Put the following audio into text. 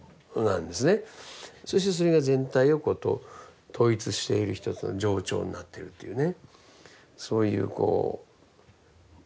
そしてそれが全体と統一しているひとつの情緒になっているっていうね。